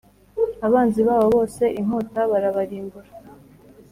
abanzi babo bose inkota barabarimbura